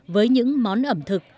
với những món ẩm thực